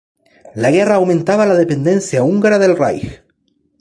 La guerra aumentaba la dependencia húngara del Reich.